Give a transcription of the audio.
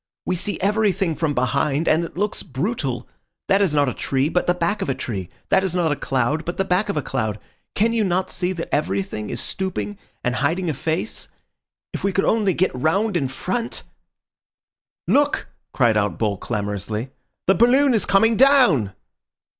We see everything from behind, and it looks brutal. That is not a tree, but the back of a tree. That is not a cloud, but the back of a cloud. Cannot you see that everything is stooping and hiding a face? If we could only get round in front—" "Look!" cried out Bull clamorously, "the balloon is coming down!"